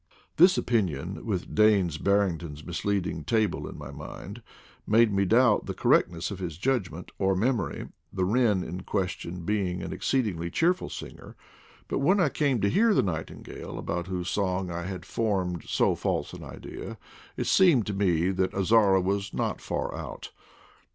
" This opinion (with Daines Barrington's misleading table in my mind) made me doubt the correctness of his judg ment, or memory, the wren in question being an exceedingly cheerful singer; but when I came to hear the nightingale, about whose song I had BIED MUSIC IN SOUTH AMEKICA 153 formed so false an idea, it seemed to me that Azara was not far out.